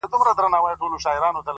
عاجزي د عزت سرچینه ده